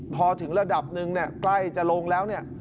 พอถึงระดับหนึ่งเนี่ยใกล้จะลงแล้วเนี่ย